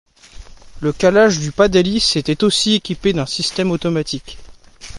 Le calage du pas d'hélice était aussi équipé d'un système automatique.